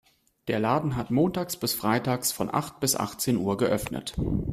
Der Laden hat montags bis freitags von acht bis achtzehn Uhr geöffnet.